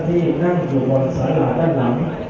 เดี๋ยวต้องราวให้สมมิติเก็บสายแล้ว